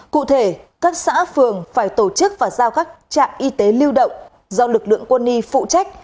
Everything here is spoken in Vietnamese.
cụ thể các xã phường phải tổ chức và giao các trạm y tế lưu động do lực lượng quân y phụ trách